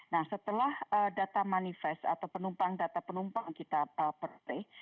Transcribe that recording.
nah setelah data manifest atau penumpang data penumpang kita percaya